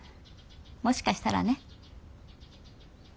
もしかしたらね。